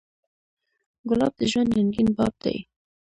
ګلاب د ژوند رنګین باب دی.